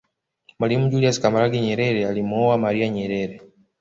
Mwalimu julius Kambarage Nyerere alimuoa maria Nyerere